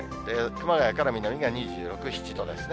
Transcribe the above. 熊谷から南が２６、７度ですね。